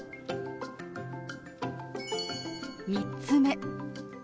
３つ目。